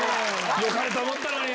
よかれと思ったのに。